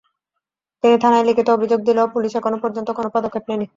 তিনি থানায় লিখিত অভিযোগ দিলেও পুলিশ এখনো পর্যন্ত কোনো পদক্ষেপ নেয়নি।